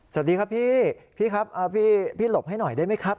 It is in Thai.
สวัสดีครับพี่พี่ครับพี่หลบให้หน่อยได้ไหมครับ